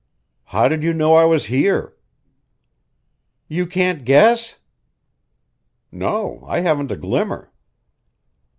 "How did you know I was here?" "You can't guess?" "No, I haven't a glimmer."